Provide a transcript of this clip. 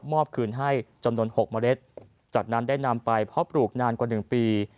คืนให้จำนวน๖เมล็ดจากนั้นได้นำไปเพาะปลูกนานกว่า๑ปี